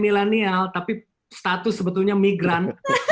milenial tapi status sebetulnya migran